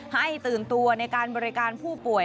ให้ตื่นตัวในการบริการผู้ป่วย